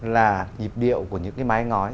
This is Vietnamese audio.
là nhịp điệu của những cái mái ngói